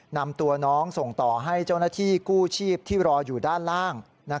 นำตัวน้องส่งต่อให้เจ้าหน้าที่กู้ชีพที่รออยู่ด้านล่าง